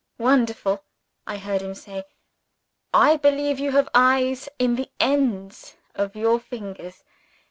"Wonderful!" I heard him say. "I believe you have eyes in the ends of your fingers.